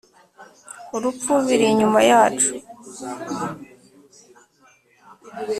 urupfu biri inyuma yacu.